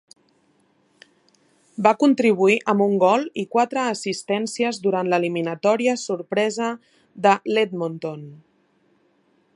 Va contribuir amb un gol i quatre assistències durant l'eliminatòria sorpresa de l'Edmonton.